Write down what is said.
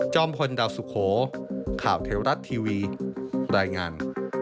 พลดาวสุโขข่าวเทวรัฐทีวีรายงาน